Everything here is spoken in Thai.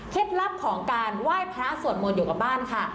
ลับของการไหว้พระสวดมนต์อยู่กับบ้านค่ะ